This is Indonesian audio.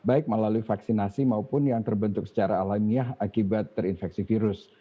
baik melalui vaksinasi maupun yang terbentuk secara alamiah akibat terinfeksi virus